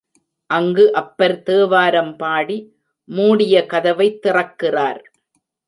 அங்கு அப்பர் தேவாரம் பாடி, மூடிய கதவைத் திறக்கிறார்.